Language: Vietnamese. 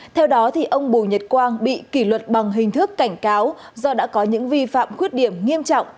theo đó ông bùi nhật quang bị kỷ luật bằng hình thức cảnh cáo do đã có những vi phạm khuyết điểm nghiêm trọng